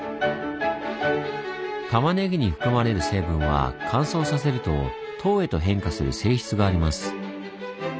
たまねぎに含まれる成分は乾燥させると糖へと変化する性質があります。